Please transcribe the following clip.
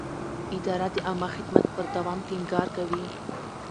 اداره د عامه خدمت پر دوام ټینګار کوي.